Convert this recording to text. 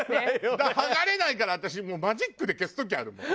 剥がれないから私もうマジックで消す時あるもん